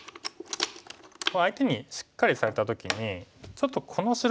相手にしっかりされた時にちょっとこの白石